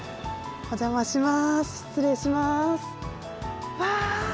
お邪魔します。